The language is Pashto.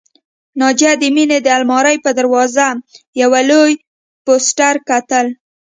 ناجیه د مينې د آلمارۍ پر دروازه یو لوی پوسټر کتل